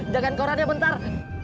jagain koran ya bentar